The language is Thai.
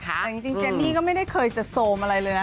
แต่จริงเจนนี่ก็ไม่ได้เคยจะโซมอะไรเลยนะ